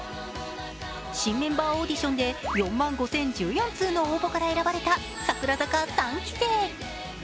新メンバーオーディションで４万５０１４通の応募から選ばれた櫻坂三期生。